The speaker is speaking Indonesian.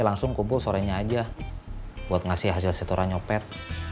langsung kumpul sorenya aja buat ngasih hasil setoran nyopet